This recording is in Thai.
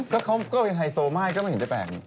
ก็ควรเป็นไฮโซไหม้ก็ไม่เห็นได้แปลง